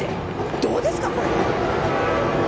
どうですかこれ？